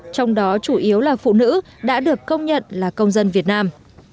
trong đó chủ yếu là phụ nữ đã được công nhận là công dân việt nam